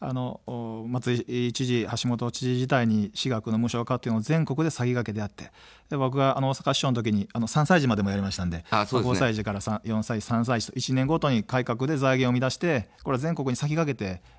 松井知事、橋下知事時代に私学の無償化というのを全国で先駆けてやって僕が大阪市長の時に３歳児までやりましたので、５歳児から４歳児、３歳児と１年ごとに改革で財源を生み出して全国に先駆けてやってきました。